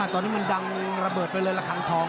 ตอนนี้มันดังระเบิดไปเลยละครั้งทอง